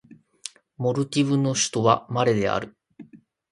モルディブの首都はマレである